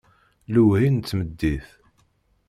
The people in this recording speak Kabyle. Lewhi n tmeddit.